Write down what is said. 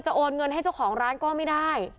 โอนเงินให้เจ้าของร้านก็ไม่ได้